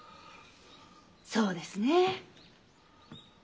そうですねえ。